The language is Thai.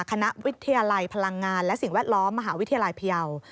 คณะวิทยาลัยพลังงานและสิ่งแวดล้อมมหาวิทยาลัยพยาว